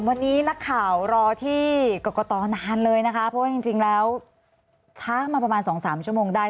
วันนี้นักข่าวรอที่กรกตนานเลยนะคะเพราะว่าจริงแล้วช้ามาประมาณ๒๓ชั่วโมงได้